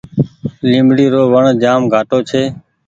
ليبڙي رو وڻ جآم گھآٽو ڇي۔